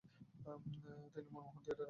তিনি মনোমোহন থিয়েটারে আসেন।